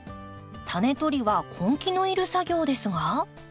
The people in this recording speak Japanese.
タネとりは根気のいる作業ですが。